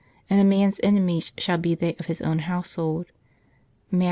... And a man s enemies shall be they of his own household " (Matt.